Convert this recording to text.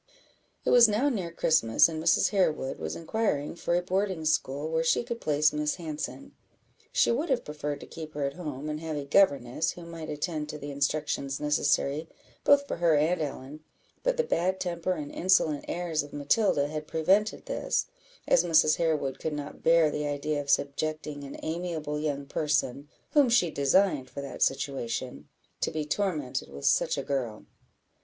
It was now near Christmas, and Mrs. Harewood was inquiring for a boarding school where she could place Miss Hanson. She would have preferred to keep her at home, and have a governess, who might attend to the instructions necessary both for her and Ellen; but the bad temper and insolent airs of Matilda had prevented this, as Mrs. Harewood could not bear the idea of subjecting an amiable young person, whom she designed for that situation, to be tormented with such a girl.